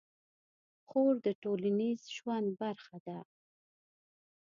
خور د ټولنیز ژوند برخه ده.